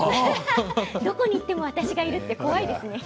どこに行っても私がいるって怖いですね。